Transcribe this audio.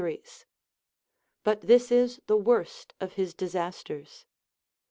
179 ries : but this is the ΛVOΓst of his disasters.